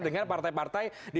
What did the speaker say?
dengan partai partai di satu